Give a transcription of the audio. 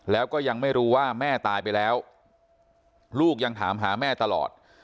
แล้วก็ยังไม่รู้ว่าแม่ตายไปแล้วลูกยังถามหาแม่ตลอด